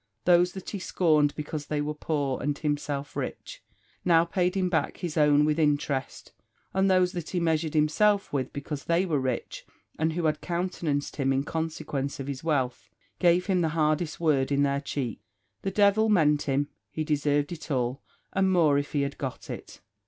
Those that he scorned because they were poor and himself rich, now paid him back his own with interest; and those that he measured himself with, because they were rich, and who only countenanced him in consequence of his wealth, gave him the hardest word in their cheeks. The devil mend him! He deserved it all, and more if he had got it.